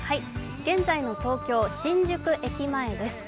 現在の東京・新宿駅前です